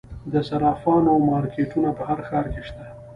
د صرافانو مارکیټونه په هر ښار کې شته